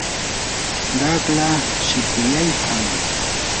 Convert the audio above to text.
qaqlaa shipuyaykam.